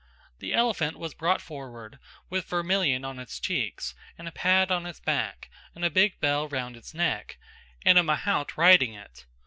The elephant was brought forward with vermilion on its cheeks, and a pad on its back, and a big bell round its neck, and a mahout riding it.